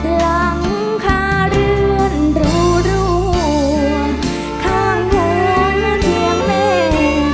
หวังค่าเรือนรู้รู้ข้างเธอเที่ยงหนึ่ง